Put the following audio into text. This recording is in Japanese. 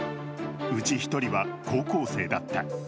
うち１人は高校生だった。